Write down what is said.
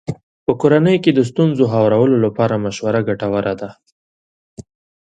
په کورنۍ کې د ستونزو هوارولو لپاره مشوره ګټوره ده.